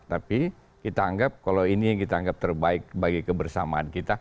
tapi kita anggap kalau ini yang kita anggap terbaik bagi kebersamaan kita